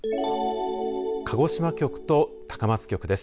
鹿児島局と高松局です。